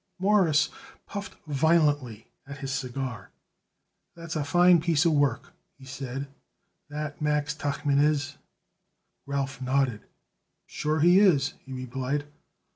Morris puffed violently at his cigar. "That's a fine piece of work," he said, "that Max Tuchman is." Ralph nodded. "Sure he is," he replied.